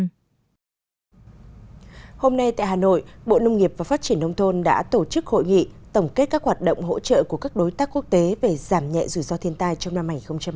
hôm nay tại hà nội bộ nông nghiệp và phát triển nông thôn đã tổ chức hội nghị tổng kết các hoạt động hỗ trợ của các đối tác quốc tế về giảm nhẹ rủi ro thiên tai trong năm hai nghìn hai mươi